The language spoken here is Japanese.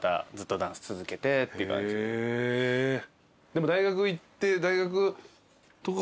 でも大学行って。